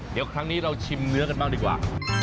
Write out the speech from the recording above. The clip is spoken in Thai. เดี๋ยวครั้งนี้เราชิมเนื้อกันบ้างดีกว่า